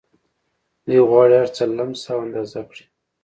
دوی غواړي هرڅه لمس او اندازه کړي